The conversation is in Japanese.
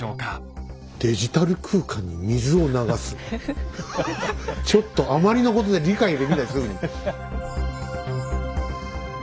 ハハハッちょっとあまりのことで理解できないすぐに。